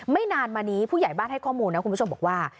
นานมานี้ผู้ใหญ่บ้านให้ข้อมูลนะคุณผู้ชมบอกว่า